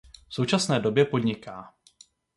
V současné době podniká.